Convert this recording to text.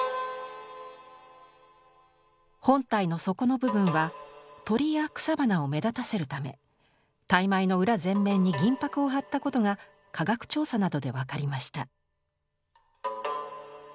本体の底の部分は鳥や草花を目立たせるため玳瑁の裏全面に銀ぱくを貼ったことが科学調査などで分かりました。